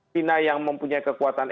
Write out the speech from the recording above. cina yang mempunyai kekuatan